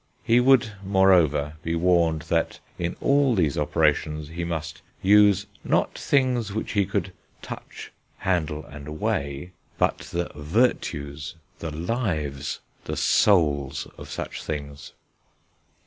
He would, moreover, be warned that in all these operations he must use, not things which he could touch, handle, and weigh, but the virtues, the lives, the souls, of such things.